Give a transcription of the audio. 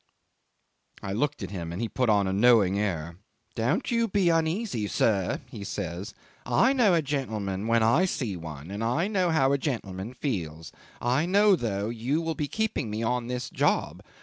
I looked at him, and he put on a knowing air. 'Don't you be uneasy, sir,' he says. 'I know a gentleman when I see one, and I know how a gentleman feels. I hope, though, you will be keeping me on this job.